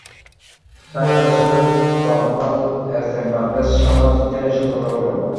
সাক্ষাৎ শেষে Tamal S M Parvez সাংবাদিকদের এসব কথা বলেন।